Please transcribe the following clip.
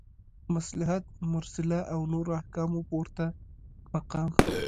مصلحت مرسله او نورو احکامو پورته مقام